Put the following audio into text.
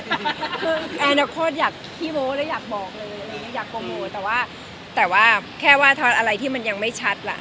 คือแอ้นก็ค่อยอยากที่โบ้แล้วอยากบอกเลยอยากโบโมแต่ว่าแต่ว่าแค่ว่าถ้าอะไรที่มันยังไม่ชัดล่ะ